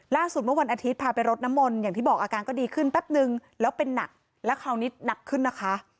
เมื่อวันอาทิตย์พาไปรดน้ำมนต์อย่างที่บอกอาการก็ดีขึ้นแป๊บนึงแล้วเป็นหนักแล้วคราวนี้หนักขึ้นนะคะ